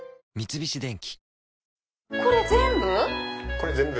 これ全部？